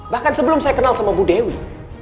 bahkan sebelum saya kenal sama bu dewi